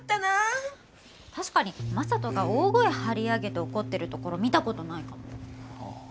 確かに正門が大声張り上げて怒ってるところ見たことないかも。